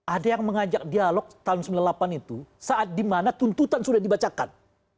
ada yang mengajak dialog tahun sembilan puluh delapan itu saat dimana tuntutan sudah dibacakan